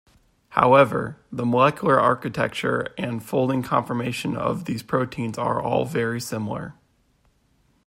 However, the molecular architecture and folding conformation of these proteins are all very similar.